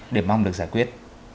để mong được giải quyết